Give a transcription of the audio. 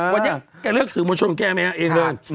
วันนี้แกเลือกสื่อมวลชนแกไหมฮะเองเลย